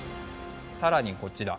さらにこちら。